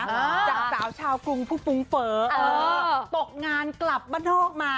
จากสาวชาวกรุงผู้ฟุ้งเฟ้อเออตกงานกลับบ้านนอกมา